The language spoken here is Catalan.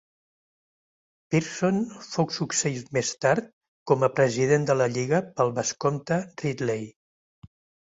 Pearson fou succeït més tard com a president de la lliga pel vescomte Ridley.